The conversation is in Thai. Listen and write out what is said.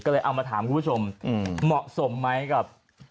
ก็เลยเอามาถามคุณผู้ชมเหมาะสมไหมกับ